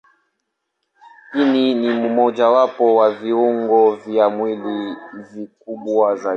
Ini ni mojawapo wa viungo vya mwili vikubwa zaidi.